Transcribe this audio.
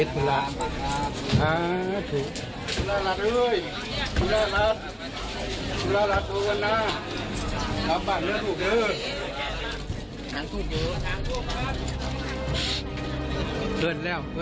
ช่างไป